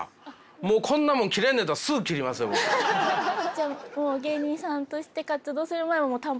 じゃあもう芸人さんとして活動する前は短髪。